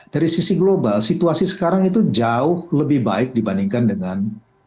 dari sisi global situasi sekarang itu jauh lebih baik dibandingkan dengan dua ribu delapan